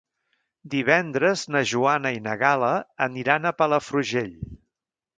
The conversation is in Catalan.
Divendres na Joana i na Gal·la aniran a Palafrugell.